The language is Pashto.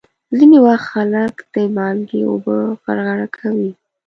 ځینې وخت خلک د مالګې اوبه غرغره کوي.